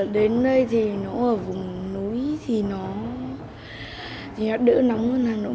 đến đây thì nó ở vùng núi thì nó đỡ nóng hơn hà nội